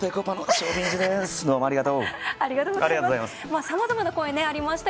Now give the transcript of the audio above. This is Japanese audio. ありがとうございます。